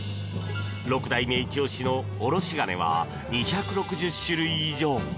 ６代目イチ押しのおろし金は２６０種類以上！